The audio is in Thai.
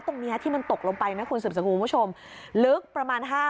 ตรงเนี้ยที่มันตกลงไปนะคุณสืบสกุลคุณผู้ชมลึกประมาณห้า